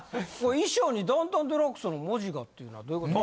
衣装に『ダウンタウンＤＸ』の文字がっていうのはどういうこと？